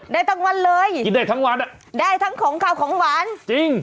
ได้ทั้งวันเลยกินได้ทั้งวันอ่ะได้ทั้งของขาวของหวานจริง